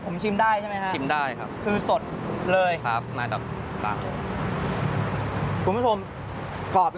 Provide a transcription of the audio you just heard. ผมชิมได้ใช่ไหมครับ